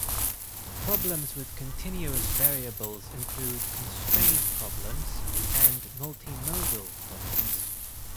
Problems with continuous variables include constrained problems and multimodal problems.